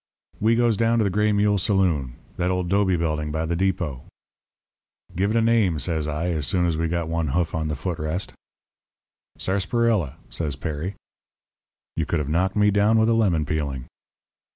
"We goes down to the Gray Mule saloon that old 'dobe building by the depot. "'Give it a name,' says I, as soon as we got one hoof on the foot rest. "'Sarsaparilla,' says Perry. "You could have knocked me down with a lemon peeling.